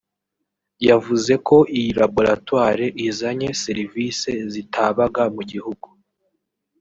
yavuze ko iyi laboratoire izanye serivise zitabaga mu gihugu